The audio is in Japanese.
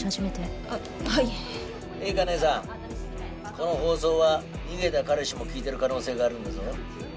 この放送は逃げた彼氏も聴いてる可能性があるんだぞ。